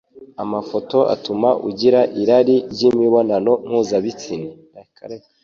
amafoto atuma ugira irari ry'imibonano mpuzabitsina